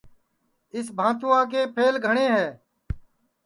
اِس بھاتوا کے پَھل گھٹؔے ہے